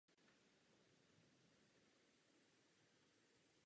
Deluxe edice alba obsahovala orchestrální verze všech písní s jinými názvy.